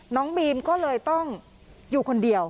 น้องบีมก็เลยต้องอยู่คนเดียว